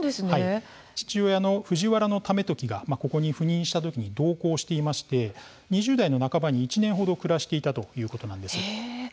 父親の藤原為時がここに赴任した時に同行し２０代の半ばに１年程暮らしていたということです。